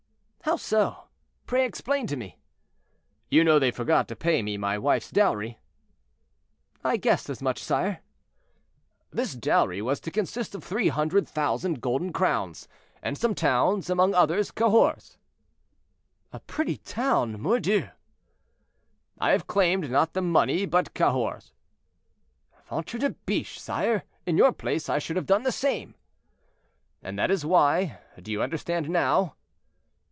"How so? Pray explain to me." "You know they forgot to pay me my wife's dowry." "I guessed as much, sire." "This dowry was to consist of 300,000 golden crowns and some towns; among others, Cahors." "A pretty town, mordieu!" "I have claimed, not the money, but Cahors." "Ventre de biche! sire, in your place, I should have done the same." "And that is why—do you understand now?"